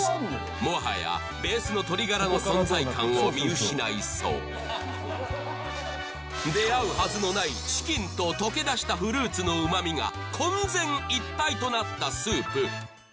もはやベースの鶏ガラの存在感を見失いそう出会うはずのないチキンと溶けだしたフルーツの旨味が混然一体となったスープ